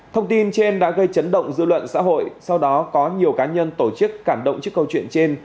thông tin trên đã gây chấn động dư luận xã hội sau đó có nhiều cá nhân tổ chức cảm động trước câu chuyện trên